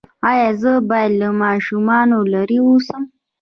ایا زه باید له ماشومانو لرې اوسم؟